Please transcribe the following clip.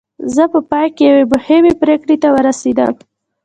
زه په پای کې یوې مهمې پرېکړې ته ورسېدم